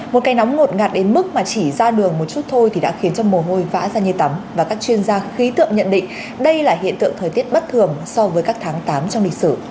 một cây nóng ngột ngạt đến mức mà chỉ ra đường một chút thôi thì đã khiến cho mồ hôi vã ra như tắm và các chuyên gia khí tượng nhận định đây là hiện tượng thời tiết bất thường so với các tháng tám trong lịch sử